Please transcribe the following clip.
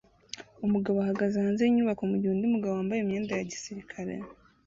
Umugabo ahagaze hanze yinyubako mugihe undi mugabo wambaye imyenda ya gisirikare